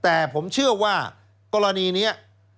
แต่ผมเชื่อว่ากรณีนี้